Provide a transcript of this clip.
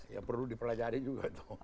ya perlu dipelajari juga tuh